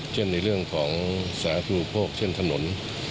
เช่นในเรื่องของสาธุโปรกเช่นถนน